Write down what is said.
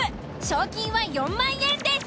賞金は４万円です。